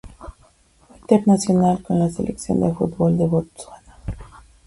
Fue internacional con la selección de fútbol de Botsuana.